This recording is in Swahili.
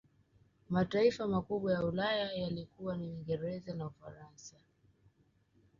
Mataifa makubwa ya Ulaya yalikuwa ni Uingereza na Ufaransa